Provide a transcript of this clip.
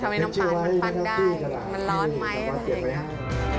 น้ำตาลมันฟันได้มันร้อนไหมอะไรอย่างนี้